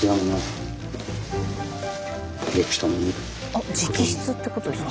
あっ直筆ってことですか？